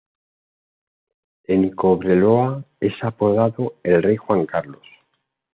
En Cobreloa es apodado "El Rey Juan Carlos".